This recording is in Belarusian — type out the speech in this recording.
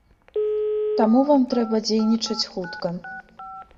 Таму вам трэба дзейнічаць хутка.